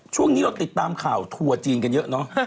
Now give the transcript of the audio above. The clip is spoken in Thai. ช่วงนี้เราติดตามข่าวทัวร์จีนกันเยอะเนอะ